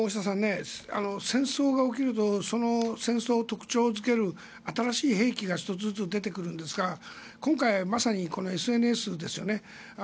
戦争が起きるとその戦争を特徴付ける新しい兵器が１つずつ出てくるんですが今回まさにこのＳＮＳですよね。